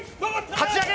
かち上げ！